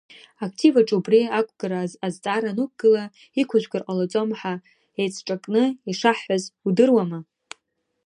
Актив аҿы убри ақәгара азҵаара анықәгыла, иқәыжәгар ҟалаӡом ҳәа еицҿакны ишаҳҳәаз удыруама?